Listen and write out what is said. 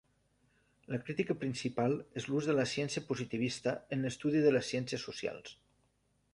La crítica principal és l'ús de la ciència positivista en l'estudi de les ciències socials.